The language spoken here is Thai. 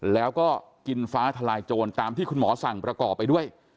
แล้วก็กินฟ้าทลายโจรตามที่คุณหมอสั่งประกอบไปด้วย